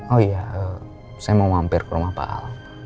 oh iya saya mau mampir ke rumah pak al